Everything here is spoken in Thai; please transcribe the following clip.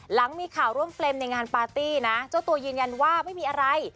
หลังมีข่าวร่วมเฟรมในงานปาร์ตี้นะเจ้าตัวยืนยันว่าไม่มีอะไร